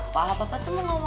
kalau ikat permolit